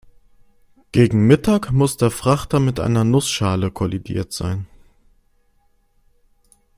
Gegen Mittag muss der Frachter mit einer Nussschale kollidiert sein.